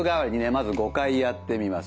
まず５回やってみます。